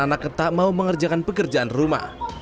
anak tak mau mengerjakan pekerjaan rumah